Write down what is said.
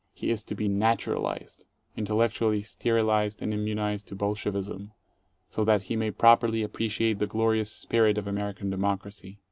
He is to be "natural ized," intellectually sterilized and immunized to Bolshevism, so that he may properly appreciate the glorious spirit of American democ racy.